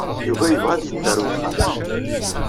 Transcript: Yuba yebɣa ad yeddu ɣer uxxam.